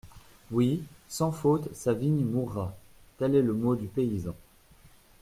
Oui, sans faute sa vigne mourra.» Tel est le mot du paysan.